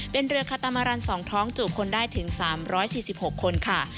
เป็นเรือคาตามารัน๒ท้องจูบคนได้ถึง๓๔๖คนค่ะ